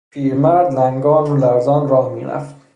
پیرمرد لنگان و لرزان راه میرفت.